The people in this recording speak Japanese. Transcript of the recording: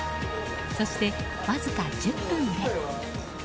そして、わずか１０分で。